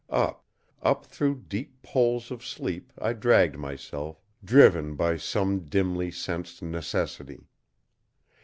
Up, up through deep poles of sleep I dragged myself, driven by some dimly sensed necessity.